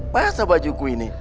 biasa bajuku ini